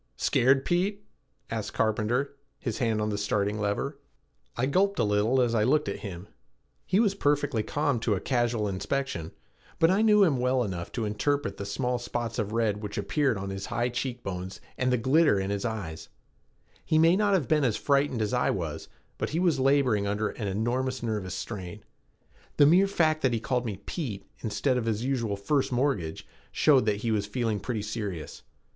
"Scared, Pete?" asked Carpenter, his hand on the starting lever. I gulped a little as I looked at him. He was perfectly calm to a casual inspection, but I knew him well enough to interpret the small spots of red which appeared on his high cheekbones and the glitter in his eye. He may not have been as frightened as I was but he was laboring under an enormous nervous strain. The mere fact that he called me "Pete" instead of his usual "First Mortgage" showed that he was feeling pretty serious.